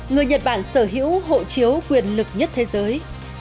người nhật bản sở hữu hộ chiếu quyền lực nhất thế giới